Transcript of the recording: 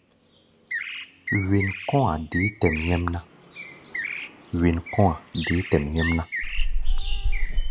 Wen kɔ̧́-a̧ deé tɛʼm nyɛ́mná.